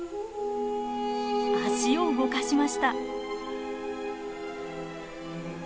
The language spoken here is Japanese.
脚を動かしました。